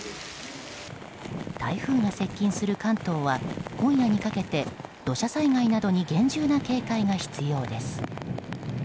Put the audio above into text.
台風が接近する関東は今夜にかけて土砂災害などに厳重な警戒が必要です。